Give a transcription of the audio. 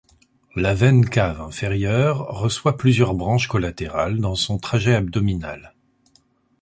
La veine cave inférieure reçoit plusieurs branches collatérales dans son trajet abdominal.